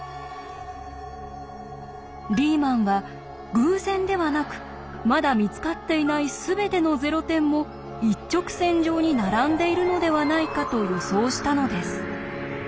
リーマンは偶然ではなくまだ見つかっていない全てのゼロ点も一直線上に並んでいるのではないかと予想したのです。